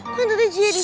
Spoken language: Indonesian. kan tata jadi